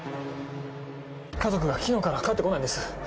家族が昨日から帰ってこないんです。